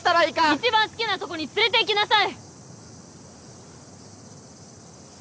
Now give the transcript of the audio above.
一番好きなとこに連れていきなさい！